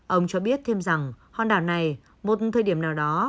ông cho biết thêm rằng hòn đảo này một thời điểm nào đó